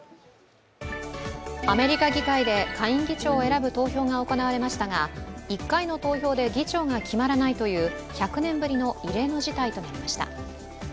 アメリカ議会で、下院議長を選ぶ投票が行われましたが１回の投票で議長が決まらないという１００年ぶりの異例の事態となりました。